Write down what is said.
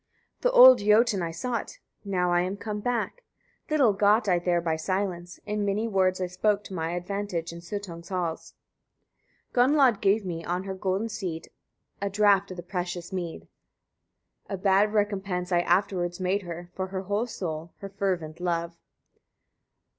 105. The old Jotun I sought; now I am come back: little got I there by silence; in many words I spoke to my advantage in Suttung's halls. 106. Gunnlod gave me, on her golden seat, a draught of the precious mead; a bad recompense I afterwards made her, for her whole soul, her fervent love.